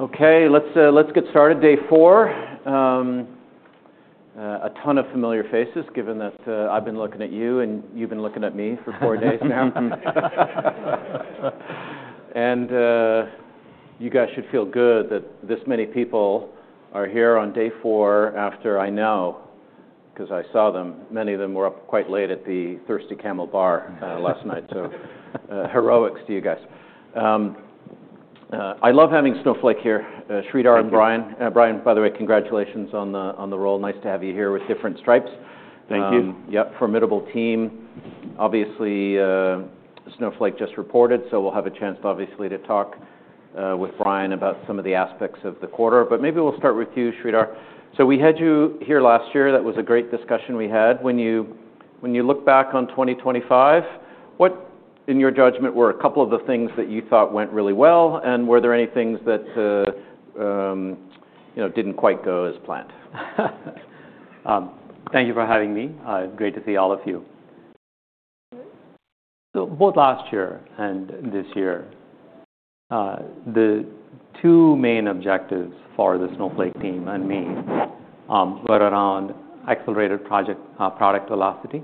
Okay, let's get started. Day four. A ton of familiar faces, given that I've been looking at you and you've been looking at me for four days now, and you guys should feel good that this many people are here on day four after I know, because I saw them. Many of them were up quite late at The Thirsty Camel bar last night, so heroics to you guys. I love having Snowflake here. Sridhar and Brian, Brian, by the way, congratulations on the role. Nice to have you here with different stripes. Thank you. Yeah, formidable team. Obviously, Snowflake just reported, so we'll have a chance, obviously, to talk with Brian about some of the aspects of the quarter. But maybe we'll start with you, Sridhar. So we had you here last year. That was a great discussion we had. When you look back on 2025, what, in your judgment, were a couple of the things that you thought went really well, and were there any things that didn't quite go as planned? Thank you for having me. It's great to see all of you, so both last year and this year, the two main objectives for the Snowflake team and me were around accelerated product velocity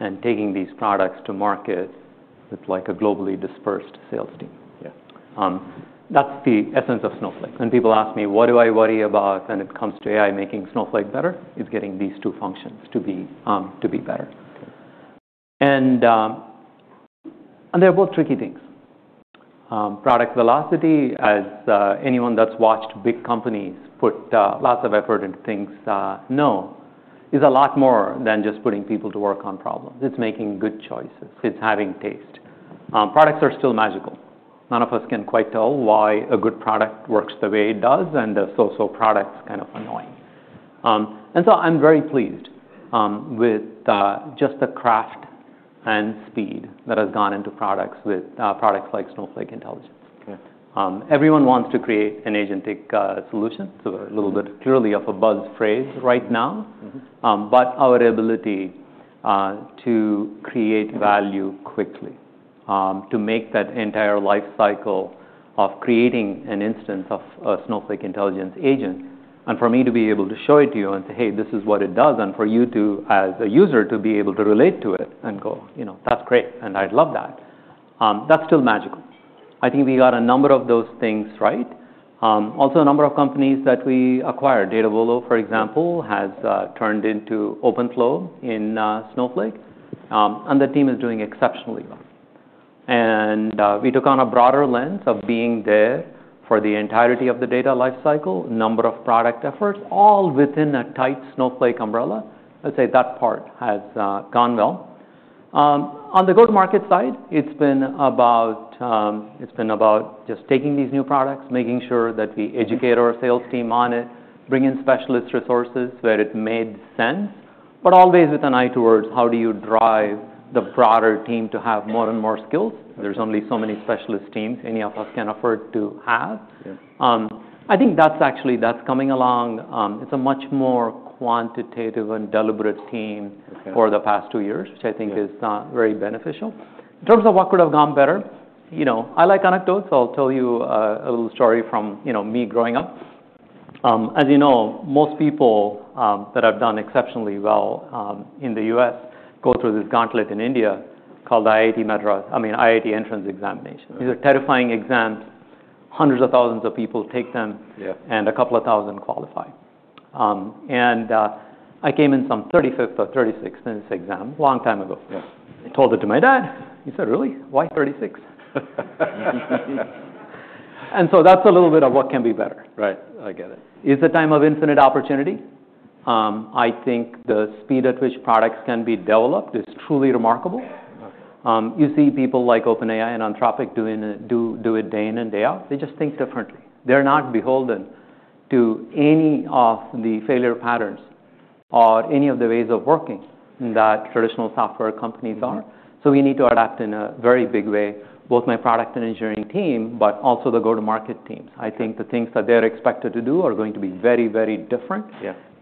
and taking these products to market with a globally dispersed sales team. That's the essence of Snowflake. When people ask me, what do I worry about when it comes to AI making Snowflake better, it's getting these two functions to be better, and they're both tricky things. Product velocity, as anyone that's watched big companies put lots of effort into things knows, is a lot more than just putting people to work on problems. It's making good choices. It's having taste. Products are still magical. None of us can quite tell why a good product works the way it does, and the so-so product's kind of annoying. I'm very pleased with just the craft and speed that has gone into products like Snowflake Intelligence. Everyone wants to create an agentic solution, so a little bit clearly of a buzz phrase right now, but our ability to create value quickly, to make that entire life cycle of creating an instance of a Snowflake Intelligence agent, and for me to be able to show it to you and say, hey, this is what it does, and for you to, as a user, to be able to relate to it and go, you know, that's great, and I'd love that, that's still magical. I think we got a number of those things right. Also, a number of companies that we acquired, Datavolo, for example, has turned into OpenFlow in Snowflake, and the team is doing exceptionally well. We took on a broader lens of being there for the entirety of the data life cycle, number of product efforts, all within a tight Snowflake umbrella. I'd say that part has gone well. On the go-to-market side, it's been about just taking these new products, making sure that we educate our sales team on it, bring in specialist resources where it made sense, but always with an eye towards how do you drive the broader team to have more and more skills. There's only so many specialist teams any of us can afford to have. I think that's actually coming along. It's a much more quantitative and deliberate team over the past two years, which I think is very beneficial. In terms of what could have gone better, you know, I like anecdotes, so I'll tell you a little story from me growing up. As you know, most people that have done exceptionally well in the U.S. go through this gauntlet in India called IIT entrance examination. These are terrifying exams. Hundreds of thousands of people take them, and a couple of thousand qualify. And I came in some 35th or 36th in this exam a long time ago. I told it to my dad. He said, really? Why 36th? And so that's a little bit of what can be better. Right, I get it. It's a time of infinite opportunity. I think the speed at which products can be developed is truly remarkable. You see people like OpenAI and Anthropic do it day in and day out. They just think differently. They're not beholden to any of the failure patterns or any of the ways of working that traditional software companies are. So we need to adapt in a very big way, both my product and engineering team, but also the go-to-market teams. I think the things that they're expected to do are going to be very, very different.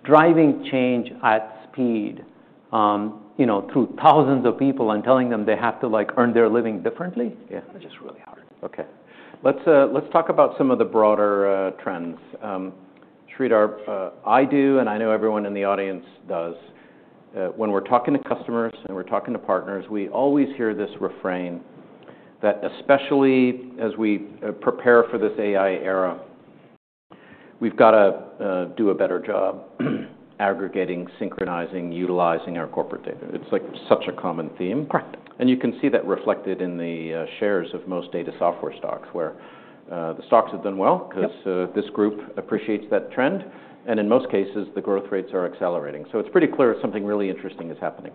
Driving change at speed through thousands of people and telling them they have to earn their living differently is just really hard. Okay. Let's talk about some of the broader trends. Sridhar, I do, and I know everyone in the audience does. When we're talking to customers and we're talking to partners, we always hear this refrain that especially as we prepare for this AI era, we've got to do a better job aggregating, synchronizing, utilizing our corporate data. It's like such a common theme. Correct. You can see that reflected in the shares of most data software stocks, where the stocks have done well because this group appreciates that trend. In most cases, the growth rates are accelerating. It's pretty clear something really interesting is happening.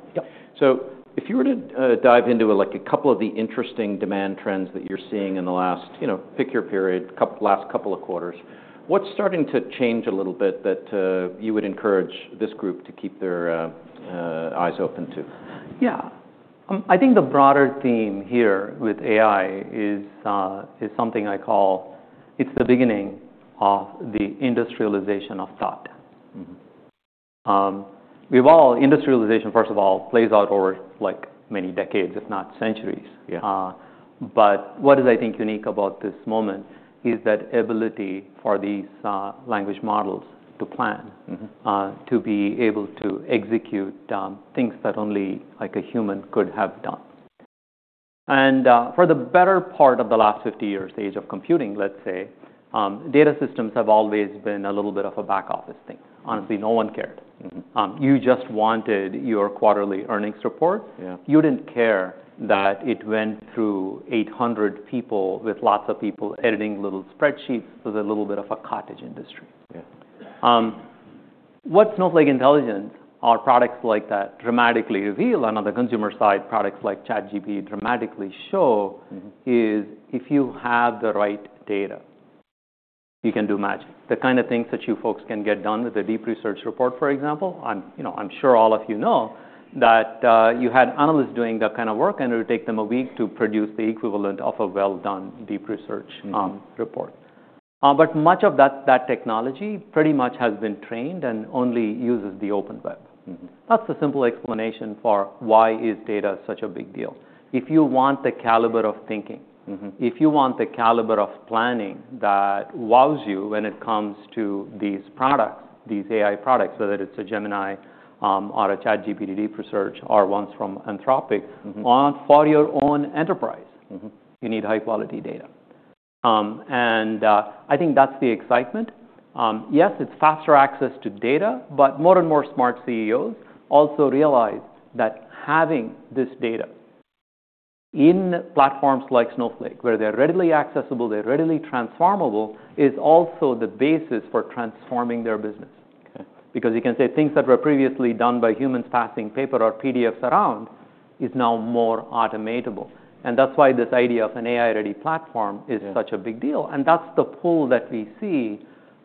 If you were to dive into a couple of the interesting demand trends that you're seeing in the last pick your period, last couple of quarters, what's starting to change a little bit that you would encourage this group to keep their eyes open to? Yeah. I think the broader theme here with AI is something I call it the beginning of the industrialization of thought. Industrialization, first of all, plays out over many decades, if not centuries. But what is, I think, unique about this moment is that ability for these language models to plan, to be able to execute things that only a human could have done. And for the better part of the last 50 years, the age of computing, let's say, data systems have always been a little bit of a back office thing. Honestly, no one cared. You just wanted your quarterly earnings report. You didn't care that it went through 800 people with lots of people editing little spreadsheets. It was a little bit of a cottage industry. What Snowflake Intelligence, our products like that, dramatically reveal, and on the consumer side, products like ChatGPT dramatically show is if you have the right data, you can do magic. The kind of things that you folks can get done with a deep research report, for example, I'm sure all of you know that you had analysts doing that kind of work, and it would take them a week to produce the equivalent of a well-done deep research report. But much of that technology pretty much has been trained and only uses the open web. That's the simple explanation for why is data such a big deal. If you want the caliber of thinking, if you want the caliber of planning that wows you when it comes to these products, these AI products, whether it's a Gemini or a ChatGPT deep research or ones from Anthropic, or for your own enterprise, you need high-quality data. And I think that's the excitement. Yes, it's faster access to data, but more and more smart CEOs also realize that having this data in platforms like Snowflake, where they're readily accessible, they're readily transformable, is also the basis for transforming their business. Because you can say things that were previously done by humans passing paper or PDFs around is now more automatable. And that's why this idea of an AI-ready platform is such a big deal. And that's the pull that we see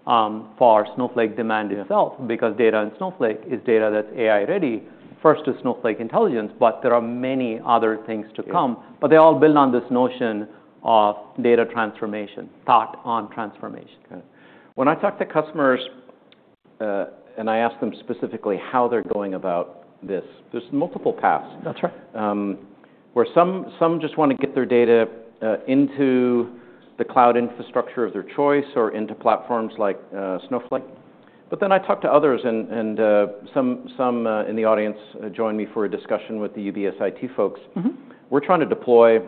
for Snowflake demand itself, because data in Snowflake is data that's AI-ready, first to Snowflake Intelligence, but there are many other things to come. But they all build on this notion of data transformation, thought on transformation. When I talk to customers and I ask them specifically how they're going about this, there's multiple paths. That's right. Where some just want to get their data into the cloud infrastructure of their choice or into platforms like Snowflake. But then I talk to others, and some in the audience joined me for a discussion with the UBS IT folks. We're trying to deploy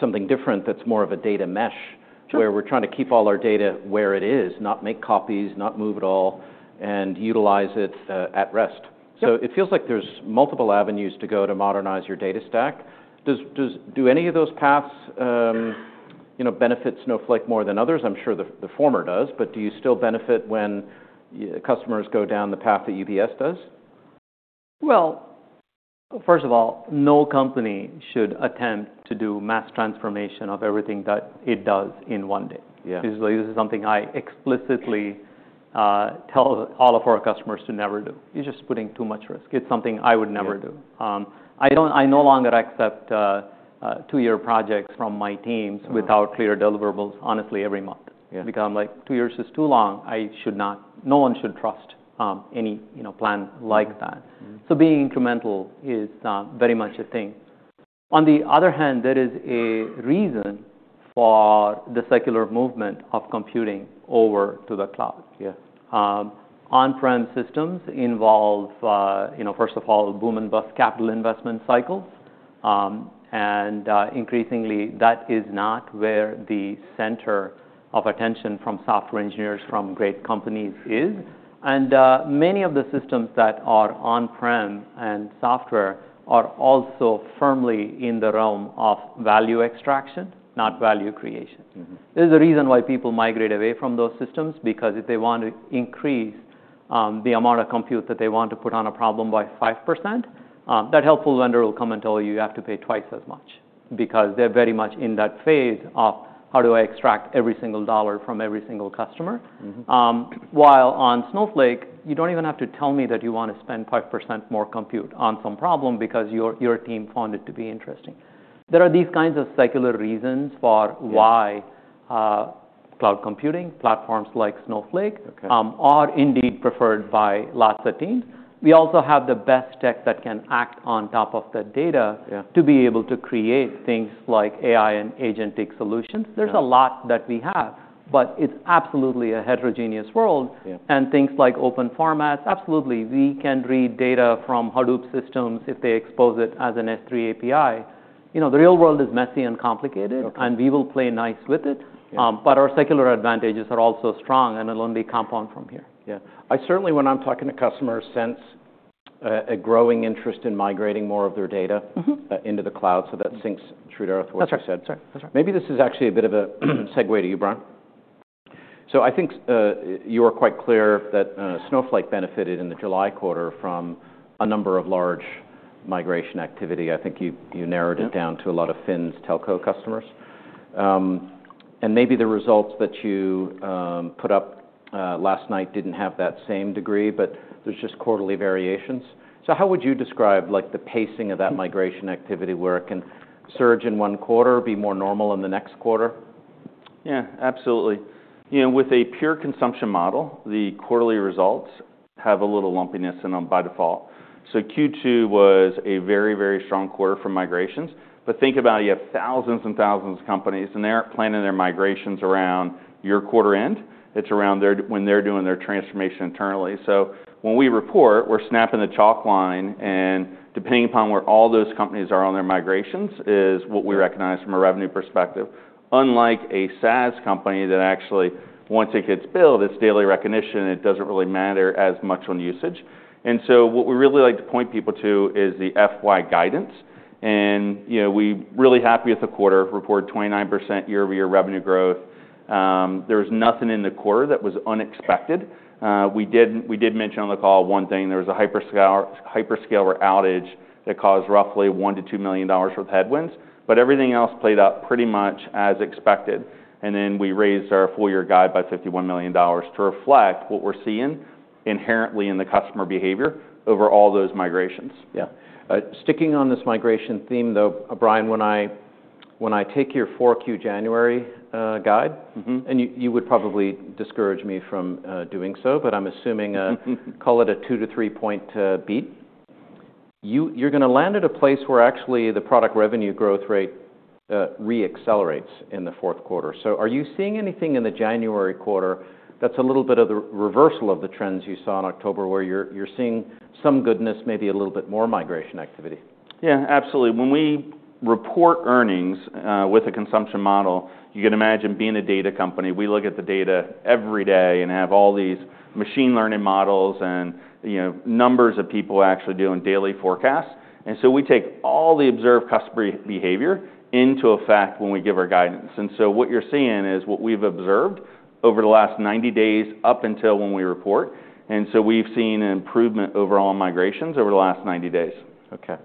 something different that's more of a data mesh, where we're trying to keep all our data where it is, not make copies, not move it all, and utilize it at rest. So it feels like there's multiple avenues to go to modernize your data stack. Do any of those paths benefit Snowflake more than others? I'm sure the former does, but do you still benefit when customers go down the path that UBS does? First of all, no company should attempt to do mass transformation of everything that it does in one day. This is something I explicitly tell all of our customers to never do. You're just putting too much risk. It's something I would never do. I no longer accept two-year projects from my teams without clear deliverables, honestly, every month, because I'm like, two years is too long. No one should trust any plan like that, so being incremental is very much a thing. On the other hand, there is a reason for the circular movement of computing over to the cloud. On-prem systems involve, first of all, boom and bust capital investment cycles, and increasingly, that is not where the center of attention from software engineers from great companies is. Many of the systems that are on-prem and software are also firmly in the realm of value extraction, not value creation. There's a reason why people migrate away from those systems, because if they want to increase the amount of compute that they want to put on a problem by 5%, that helpful vendor will come and tell you you have to pay twice as much, because they're very much in that phase of how do I extract every single dollar from every single customer. While on Snowflake, you don't even have to tell me that you want to spend 5% more compute on some problem because your team found it to be interesting. There are these kinds of circular reasons for why cloud computing platforms like Snowflake are indeed preferred by lots of teams. We also have the best tech that can act on top of the data to be able to create things like AI and agentic solutions. There's a lot that we have, but it's absolutely a heterogeneous world. And things like open formats, absolutely. We can read data from Hadoop systems if they expose it as an S3 API. The real world is messy and complicated, and we will play nice with it. But our structural advantages are also strong and will only compound from here. Yeah. I certainly, when I'm talking to customers, sense a growing interest in migrating more of their data into the cloud, so that rings true to what you said. That's right. Maybe this is actually a bit of a segue to you, Brian, so I think you were quite clear that Snowflake benefited in the July quarter from a number of large migration activity. I think you narrowed it down to a lot of financial services and telco customers, and maybe the results that you put up last night didn't have that same degree, but there's just quarterly variations, so how would you describe the pacing of that migration activity where it can surge in one quarter, be more normal in the next quarter? Yeah, absolutely. With a pure consumption model, the quarterly results have a little lumpiness and by default, so Q2 was a very, very strong quarter for migrations, but think about it, you have thousands and thousands of companies, and they aren't planning their migrations around your quarter end. It's around when they're doing their transformation internally. When we report, we're snapping the chalk line, and depending upon where all those companies are on their migrations is what we recognize from a revenue perspective. Unlike a SaaS company that actually, once it gets built, it's daily recognition, and it doesn't really matter as much on usage. And so what we really like to point people to is the FY guidance. And we're really happy with the quarter, reported 29% year-over-year revenue growth. There was nothing in the quarter that was unexpected. We did mention on the call one thing. There was a hyperscaler outage that caused roughly $1 million to $2 million worth of headwinds. But everything else played out pretty much as expected. And then we raised our full-year guide by $51 million to reflect what we're seeing inherently in the customer behavior over all those migrations. Sticking on this migration theme, though, Brian, when I take your 4Q January guide, and you would probably discourage me from doing so, but I'm assuming call it a two to three-point beat, you're going to land at a place where actually the product revenue growth rate re-accelerates in the fourth quarter. So are you seeing anything in the January quarter that's a little bit of the reversal of the trends you saw in October, where you're seeing some goodness, maybe a little bit more migration activity? Yeah, absolutely. When we report earnings with a consumption model, you can imagine being a data company, we look at the data every day and have all these machine learning models and numbers of people actually doing daily forecasts. And so we take all the observed customer behavior into effect when we give our guidance. And so what you're seeing is what we've observed over the last 90 days up until when we report. And so we've seen an improvement overall in migrations over the last 90 days. Okay.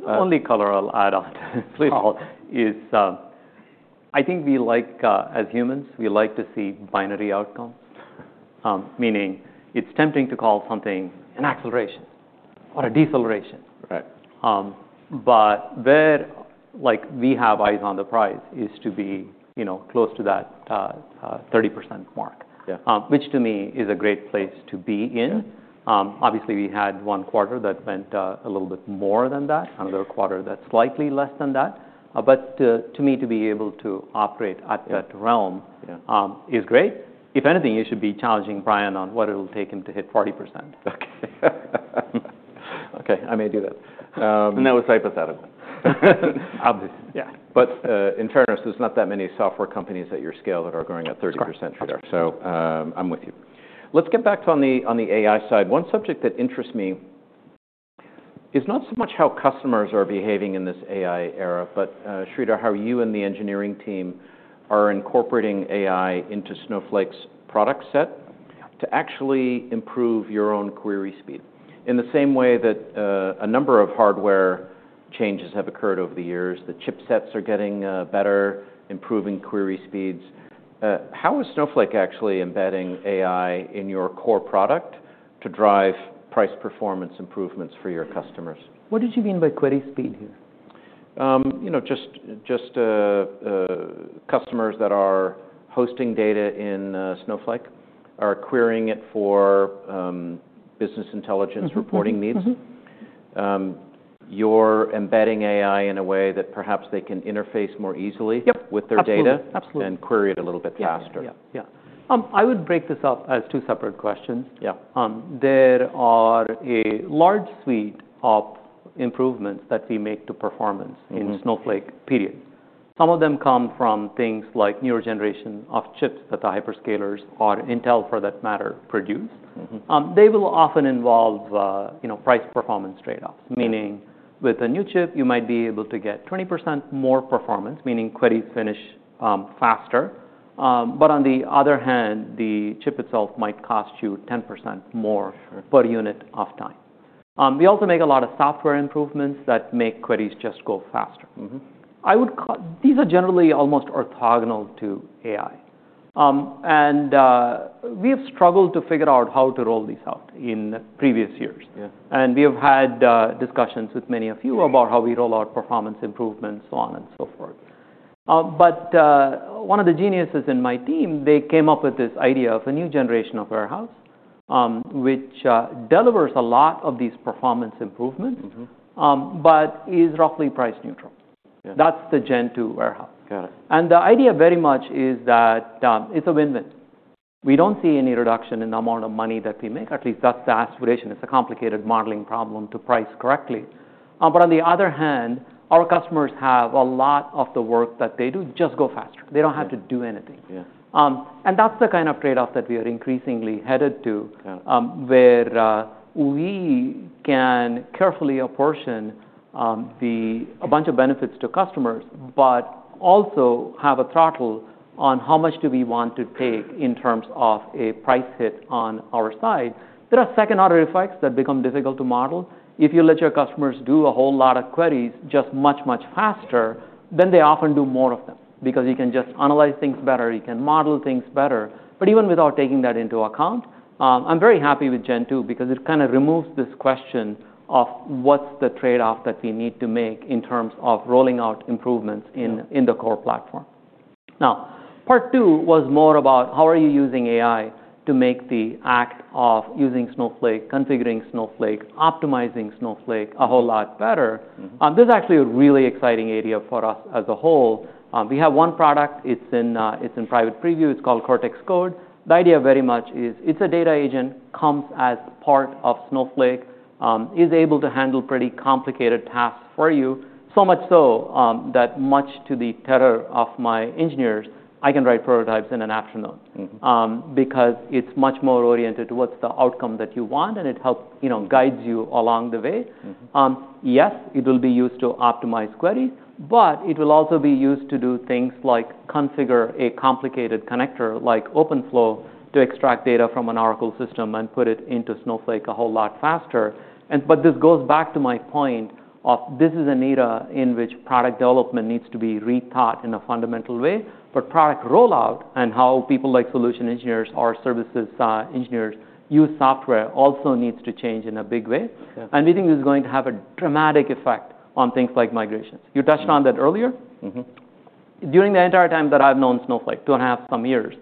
The only color I'll add on to this call is I think we like, as humans, we like to see binary outcomes, meaning it's tempting to call something an acceleration or a deceleration. But where we have eyes on the prize is to be close to that 30% mark, which to me is a great place to be in. Obviously, we had one quarter that went a little bit more than that, another quarter that's slightly less than that. But to me, to be able to operate at that realm is great. If anything, you should be challenging Brian on what it will take him to hit 40%. Okay. Okay, I may do that. And that was hypothetical. Obviously. Yeah. But in fairness, there's not that many software companies at your scale that are going at 30%, Sridhar. So I'm with you. Let's get back to on the AI side. One subject that interests me is not so much how customers are behaving in this AI era, but, Sridhar, how you and the engineering team are incorporating AI into Snowflake's product set to actually improve your own query speed. In the same way that a number of hardware changes have occurred over the years, the chipsets are getting better, improving query speeds. How is Snowflake actually embedding AI in your core product to drive price performance improvements for your customers? What did you mean by query speed here? Just customers that are hosting data in Snowflake are querying it for business intelligence reporting needs. You're embedding AI in a way that perhaps they can interface more easily with their data and query it a little bit faster. Yeah. I would break this up as two separate questions. There are a large suite of improvements that we make to performance in Snowflake. Some of them come from things like newer generation of chips that the hyperscalers or Intel, for that matter, produce. They will often involve price performance trade-offs, meaning with a new chip, you might be able to get 20% more performance, meaning queries finish faster. But on the other hand, the chip itself might cost you 10% more per unit of time. We also make a lot of software improvements that make queries just go faster. These are generally almost orthogonal to AI. And we have struggled to figure out how to roll these out in previous years. And we have had discussions with many of you about how we roll out performance improvements, so on and so forth. But one of the geniuses in my team, they came up with this idea of a new generation of warehouse, which delivers a lot of these performance improvements, but is roughly price neutral. That's the Gen2 warehouse. And the idea very much is that it's a win-win. We don't see any reduction in the amount of money that we make. At least that's the aspiration. It's a complicated modeling problem to price correctly. But on the other hand, our customers have a lot of the work that they do just go faster. They don't have to do anything. And that's the kind of trade-off that we are increasingly headed to, where we can carefully apportion a bunch of benefits to customers, but also have a throttle on how much do we want to take in terms of a price hit on our side. There are second order effects that become difficult to model. If you let your customers do a whole lot of queries just much, much faster, then they often do more of them, because you can just analyze things better. You can model things better. But even without taking that into account, I'm very happy with Gen2, because it kind of removes this question of what's the trade-off that we need to make in terms of rolling out improvements in the core platform. Now, part two was more about how are you using AI to make the act of using Snowflake, configuring Snowflake, optimizing Snowflake a whole lot better. This is actually a really exciting area for us as a whole. We have one product. It's in private preview. It's called Cortex Code. The idea very much is it's a data agent, comes as part of Snowflake, is able to handle pretty complicated tasks for you, so much so that much to the terror of my engineers, I can write prototypes in an afternoon, because it's much more oriented towards the outcome that you want, and it helps guide you along the way. Yes, it will be used to optimize queries, but it will also be used to do things like configure a complicated connector like OpenFlow to extract data from an Oracle system and put it into Snowflake a whole lot faster. But this goes back to my point of this is an era in which product development needs to be rethought in a fundamental way. But product rollout and how people like solution engineers or services engineers use software also needs to change in a big way. We think this is going to have a dramatic effect on things like migrations. You touched on that earlier. During the entire time that I've known Snowflake, two and a half some years,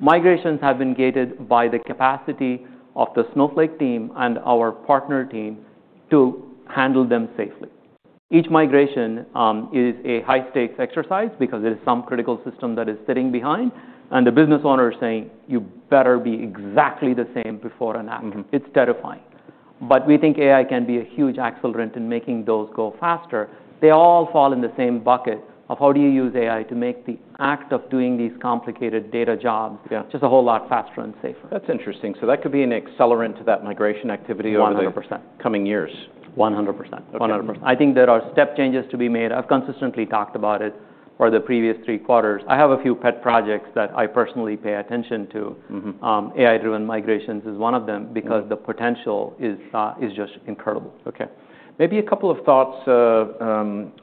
migrations have been gated by the capacity of the Snowflake team and our partner team to handle them safely. Each migration is a high-stakes exercise, because there is some critical system that is sitting behind. And the business owner is saying, you better be exactly the same before and after. It's terrifying. We think AI can be a huge accelerant in making those go faster. They all fall in the same bucket of how do you use AI to make the act of doing these complicated data jobs just a whole lot faster and safer. That's interesting. So that could be an accelerant to that migration activity over the coming years. 100%. I think there are step changes to be made. I've consistently talked about it for the previous three quarters. I have a few pet projects that I personally pay attention to. AI-driven migrations is one of them, because the potential is just incredible. Okay. Maybe a couple of thoughts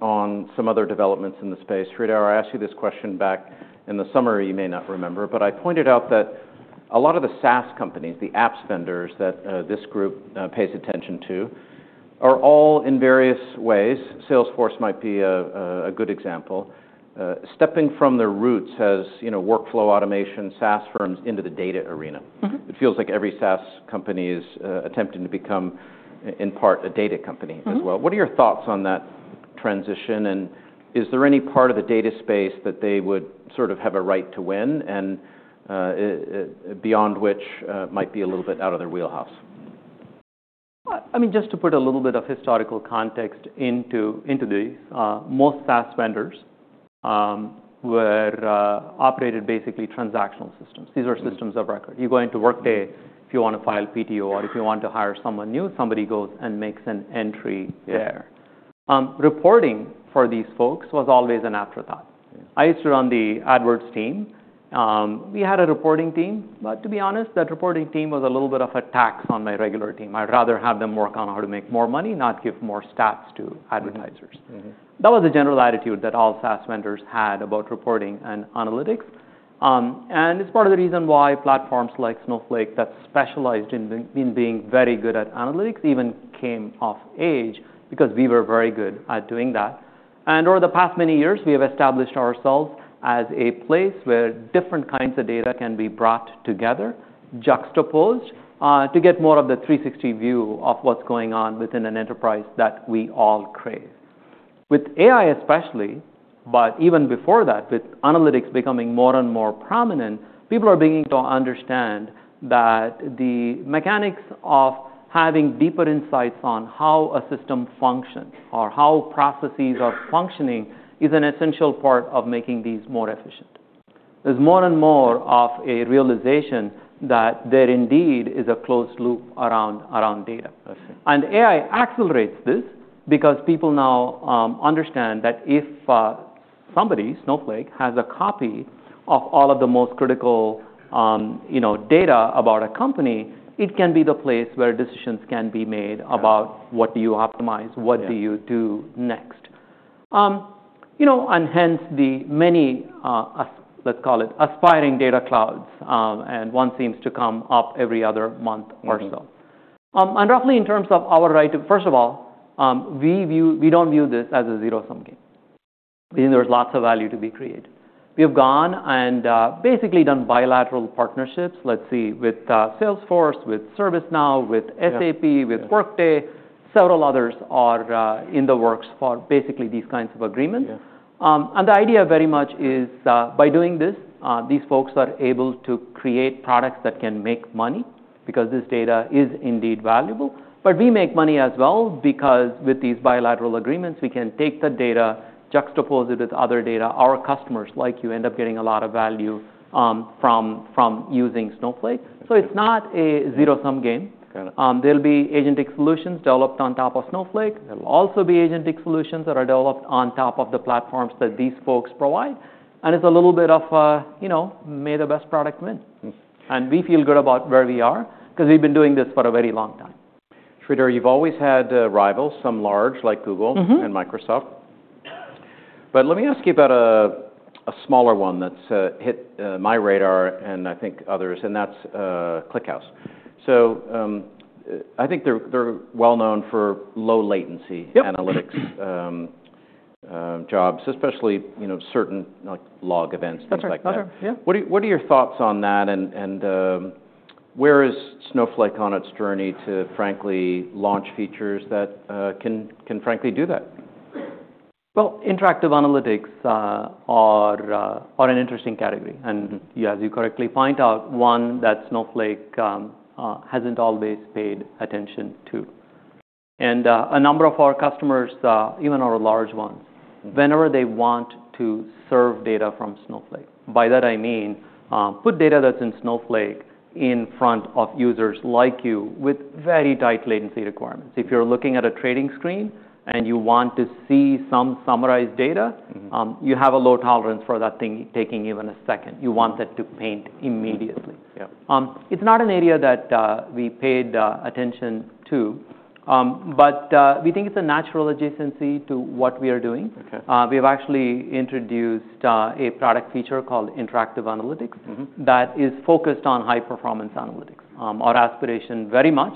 on some other developments in the space. Sridhar, I asked you this question back in the summary. You may not remember, but I pointed out that a lot of the SaaS companies, the apps vendors that this group pays attention to are all in various ways. Salesforce might be a good example. Stepping from the roots has workflow automation, SaaS firms into the data arena. It feels like every SaaS company is attempting to become, in part, a data company as well. What are your thoughts on that transition? And is there any part of the data space that they would sort of have a right to win and beyond which might be a little bit out of their wheelhouse? I mean, just to put a little bit of historical context into these, most SaaS vendors were operated basically transactional systems. These are systems of record. You go into Workday, if you want to file PTO, or if you want to hire someone new, somebody goes and makes an entry there. Reporting for these folks was always an afterthought. I used to run the AdWords team. We had a reporting team. But to be honest, that reporting team was a little bit of a tax on my regular team. I'd rather have them work on how to make more money, not give more stats to advertisers. That was the general attitude that all SaaS vendors had about reporting and analytics, and it's part of the reason why platforms like Snowflake that specialized in being very good at analytics even came of age, because we were very good at doing that. And over the past many years, we have established ourselves as a place where different kinds of data can be brought together, juxtaposed, to get more of the 360 view of what's going on within an enterprise that we all crave. With AI especially, but even before that, with analytics becoming more and more prominent, people are beginning to understand that the mechanics of having deeper insights on how a system functions or how processes are functioning is an essential part of making these more efficient. There's more and more of a realization that there indeed is a closed loop around data. And AI accelerates this, because people now understand that if somebody, Snowflake, has a copy of all of the most critical data about a company, it can be the place where decisions can be made about what do you optimize, what do you do next. Hence the many, let's call it, aspiring data clouds. One seems to come up every other month or so. Roughly in terms of our view, first of all, we don't view this as a zero-sum game. We think there's lots of value to be created. We have gone and basically done bilateral partnerships, let's see, with Salesforce, with ServiceNow, with SAP, with Workday. Several others are in the works for basically these kinds of agreements. The idea very much is by doing this, these folks are able to create products that can make money, because this data is indeed valuable. We make money as well, because with these bilateral agreements, we can take the data, juxtapose it with other data. Our customers, like you, end up getting a lot of value from using Snowflake. It's not a zero-sum game. There'll be agentic solutions developed on top of Snowflake. There'll also be agentic solutions that are developed on top of the platforms that these folks provide. And it's a little bit of may the best product win. And we feel good about where we are, because we've been doing this for a very long time. Sridhar, you've always had rivals, some large, like Google and Microsoft. But let me ask you about a smaller one that's hit my radar and I think others, and that's ClickHouse. So I think they're well known for low-latency analytics jobs, especially certain log events, things like that. What are your thoughts on that? And where is Snowflake on its journey to, frankly, launch features that can frankly do that? Interactive analytics are an interesting category. As you correctly point out, one that Snowflake hasn't always paid attention to. A number of our customers, even our large ones, whenever they want to serve data from Snowflake, by that I mean put data that's in Snowflake in front of users like you with very tight latency requirements. If you're looking at a trading screen and you want to see some summarized data, you have a low tolerance for that thing taking even a second. You want that to paint immediately. It's not an area that we paid attention to, but we think it's a natural adjacency to what we are doing. We have actually introduced a product feature called interactive analytics that is focused on high-performance analytics. Our aspiration very much,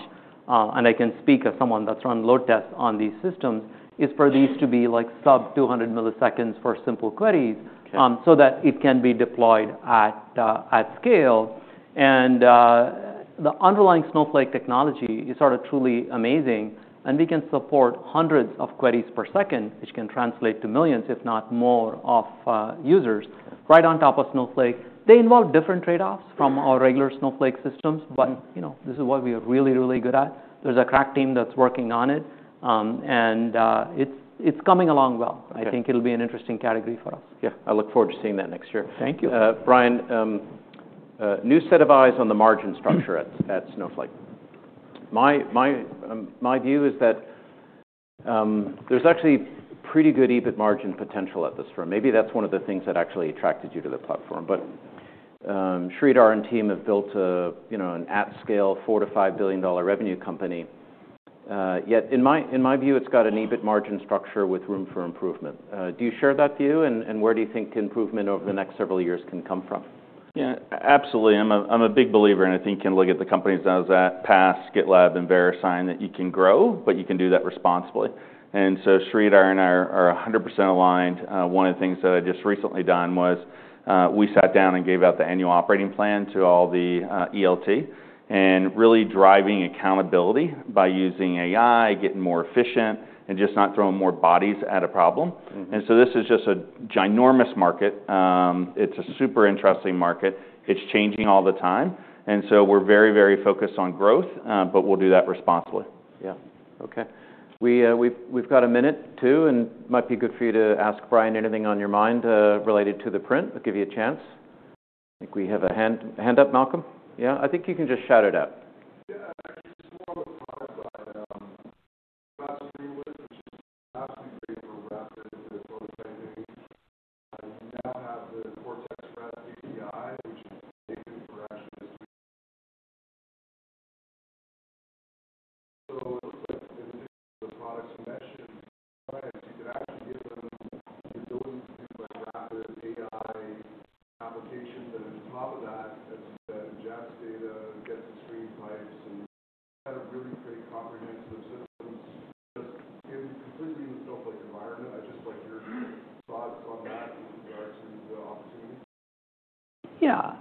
and I can speak as someone that's run load tests on these systems, is for these to be like sub-200 ms for simple queries, so that it can be deployed at scale, and the underlying Snowflake technology is sort of truly amazing, and we can support hundreds of queries per second, which can translate to millions, if not more, of users right on top of Snowflake. They involve different trade-offs from our regular Snowflake systems, but this is what we are really, really good at. There's a crack team that's working on it, and it's coming along well. I think it'll be an interesting category for us. Yeah. I look forward to seeing that next year. Thank you. Brian, new set of eyes on the margin structure at Snowflake. My view is that there's actually pretty good EBIT margin potential at this firm. Maybe that's one of the things that actually attracted you to the platform. But Sridhar and team have built an at-scale $4 billion to $5 billion revenue company. Yet in my view, it's got an EBIT margin structure with room for improvement. Do you share that view? And where do you think improvement over the next several years can come from? Yeah, absolutely. I'm a big believer in, I think you can look at the companies that I was at, Pass, GitLab, and Verisign, that you can grow, but you can do that responsibly, and so Sridhar and I are 100% aligned. One of the things that I just recently done was we sat down and gave out the annual operating plan to all the ELT and really driving accountability by using AI, getting more efficient, and just not throwing more bodies at a problem, and so this is just a ginormous market. It's a super interesting market. It's changing all the time, and so we're very, very focused on growth, but we'll do that responsibly. Yeah. OK. Yeah.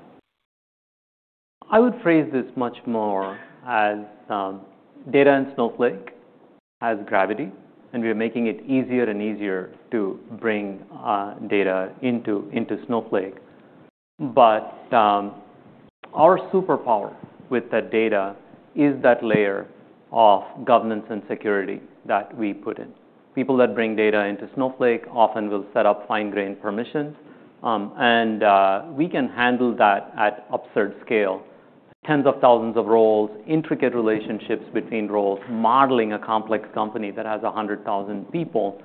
I would phrase this much more as data in Snowflake has gravity, and we are making it easier and easier to bring data into Snowflake, but our superpower with that data is that layer of governance and security that we put in. People that bring data into Snowflake often will set up fine-grained permissions, and we can handle that at hyperscale, tens of thousands of roles, intricate relationships between roles, modeling a complex company that has 100,000 people,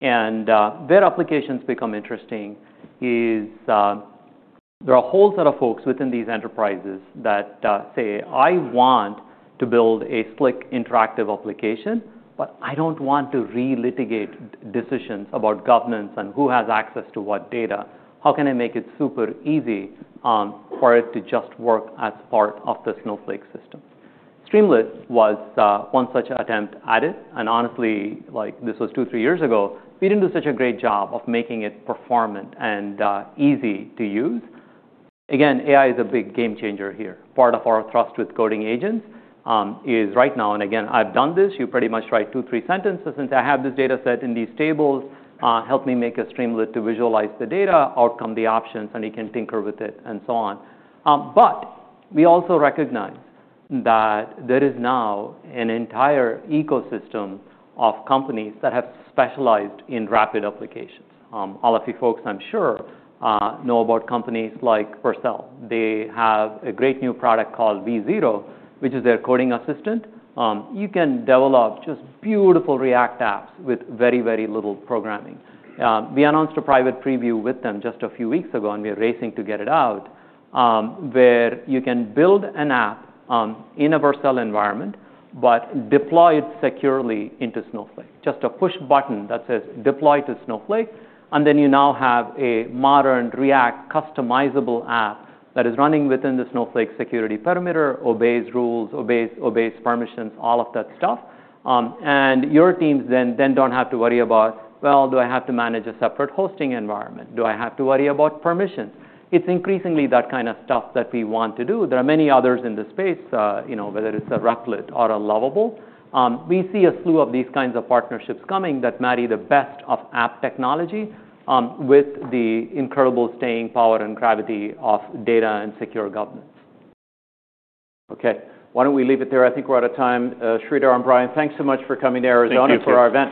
and where applications become interesting is there are a whole set of folks within these enterprises that say, I want to build a slick interactive application, but I don't want to relitigate decisions about governance and who has access to what data. How can I make it super easy for it to just work as part of the Snowflake system? Streamlit was one such attempt at it. Honestly, this was two, three years ago. We didn't do such a great job of making it performant and easy to use. Again, AI is a big game changer here. Part of our thrust with coding agents is right now, and again, I've done this. You pretty much write two, three sentences and say, I have this data set in these tables. Help me make a Streamlit to visualize the data, output the options, and you can tinker with it and so on. But we also recognize that there is now an entire ecosystem of companies that have specialized in rapid applications. All of you folks, I'm sure, know about companies like Vercel. They have a great new product called v0, which is their coding assistant. You can develop just beautiful React apps with very, very little programming. We announced a private preview with them just a few weeks ago, and we are racing to get it out, where you can build an app in a Vercel environment but deploy it securely into Snowflake. Just a push button that says, deploy to Snowflake, and then you now have a modern React customizable app that is running within the Snowflake security perimeter, obeys rules, obeys permissions, all of that stuff, and your teams then don't have to worry about, well, do I have to manage a separate hosting environment? Do I have to worry about permissions? It's increasingly that kind of stuff that we want to do. There are many others in the space, whether it's a Replit or a Lovable. We see a slew of these kinds of partnerships coming that marry the best of app technology with the incredible staying power and gravity of data and secure governance. Okay. Why don't we leave it there? I think we're out of time. Sridhar and Brian, thanks so much for coming to Arizona for our event.